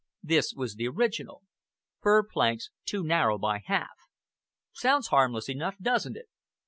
This was the original: 'Fir planks too narrow by half.' Sounds harmless enough, doesn't it?"